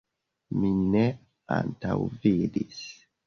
Mi ne antaŭvidis.